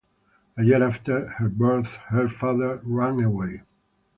A year after her birth her father "ran away".